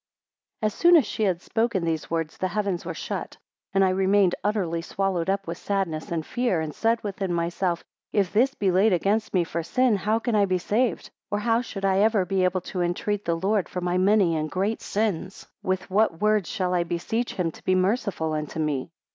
14 As soon as she had spoken these words the heaven were shut, and I remained utterly swallowed up with sadness and fear: and said within myself, if this be laid against me for sin, how can I be saved. 15 Or how should I ever be able to entreat the Lord for my many and great sins? With what words shall I beseech him to be merciful unto me?